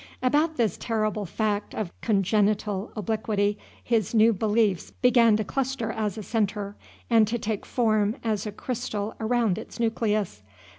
About this terrible fact of congenital obliquity his new beliefs began to cluster as a centre, and to take form as a crystal around its nucleus.